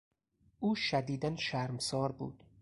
او شدیدا شرمسار بود.